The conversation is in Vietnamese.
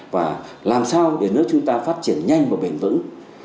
và làm sao để nước chúng ta phát triển nhanh và bền vững